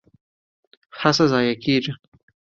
هڅه ضایع کیږي؟